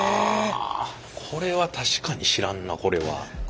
これは確かに知らんなこれは。